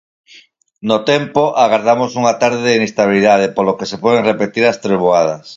No tempo, agardamos unha tarde de inestabilidade polo que se poden repetir as treboadas.